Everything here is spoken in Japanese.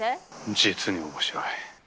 実に面白い。